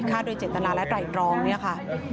ค่าโดยเจรตนาและไหล่ร้องนี่ค่ะ